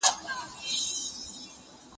چې چېرته مار ووژنم.